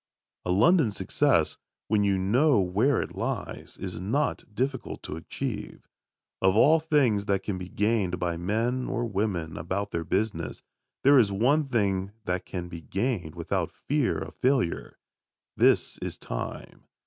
A London success, when you know where it lies, is not difficult to achieve. Of all things that can be gained by men or women about their business, there is one thing that can be gained without fear of failure. This is time.